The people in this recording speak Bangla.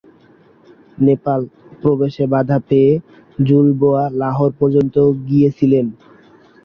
নেপাল-প্রবেশে বাধা পেয়ে জুল বোয়া লাহোর পর্যন্ত গিয়েছিলেন।